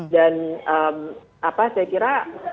dan apa saya kira